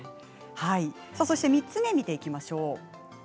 ３つ目を見ていきましょう。